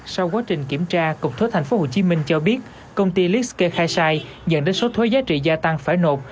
sau quá trình kiểm tra cục thuế tp hcm cho biết công ty lisk kê khai sai dẫn đến số thuế giá trị gia tăng phải nộp